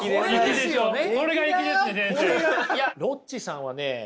ロッチさんはね